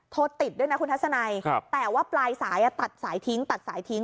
โทรติดด้วยนะคุณทัศนัยแต่ว่าปลายสายตัดสายทิ้งตัดสายทิ้ง